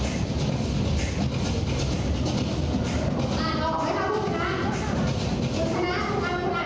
ลูกค้าลูกค้าลูกค้าลูกค้าขอบไหม